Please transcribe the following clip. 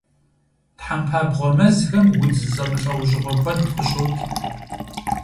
Тхьэмпабгъуэ мэзхэм удз зэмылӀэужьыгъуэ куэд къыщокӀ.